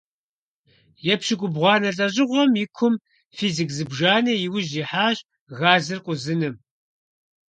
ЕпщыкIубгъуанэ лIэщIыгъуэм и кум физик зыбжанэ и ужь ихьащ газыр къузыным.